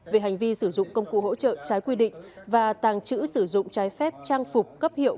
về hành vi sử dụng công cụ hỗ trợ trái quy định và tàng trữ sử dụng trái phép trang phục cấp hiệu